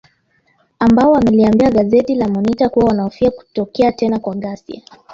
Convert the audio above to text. ambao wameliambia gazeti la Monita kuwa wanahofia kutokea tena kwa ghasia